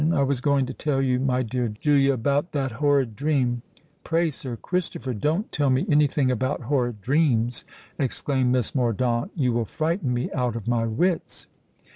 I was going to tell you, my dear Julia, about that horrid dream——" "Pray, Sir Christopher, don't tell me any thing about horrid dreams," exclaimed Miss Mordaunt: "you will frighten me out of my wits."